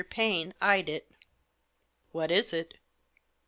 Paine eyed it. "What is it?"